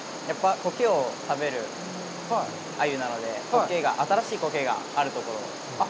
コケを食べるアユなので、新しいコケがあるところです。